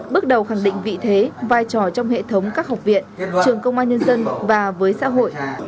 bước đầu khẳng định vị thế vai trò trong hệ thống các học viện trường công an nhân dân và với xã hội